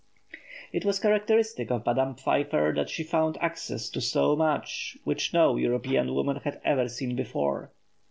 It was characteristic of Madame Pfeiffer that she found access to so much which no European woman had ever seen before.